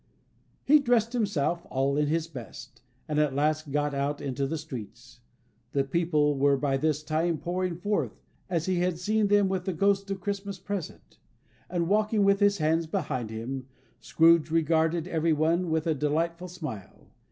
He dressed himself "all in his best," and at last got out into the streets. The people were by this time pouring forth, as he had seen them with the Ghost of Christmas Present; and, walking with his hands behind him, Scrooge regarded everyone with a delighted smile.